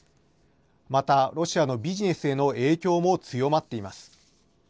また、ロシアのビジネスへの影響も強まっています。